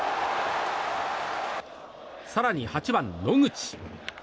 更に８番、野口。